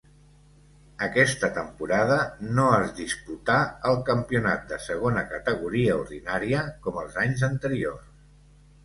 Aquesta temporada no es disputà el Campionat de Segona Categoria Ordinària com els anys anteriors.